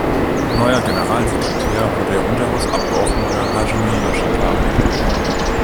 Neuer Generalsekretär wurde der Unterhausabgeordnete Hajime Yoshikawa.